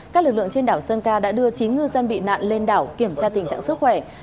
các lực lượng trên đảo sơn ca đã đưa chín ngư dân bị nạn lên đảo kiểm tra tình trạng sức khỏe